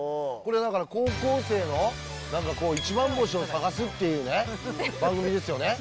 これ、だから高校生のなんかこう、イチバン星を探すっていうね、番組ですよね。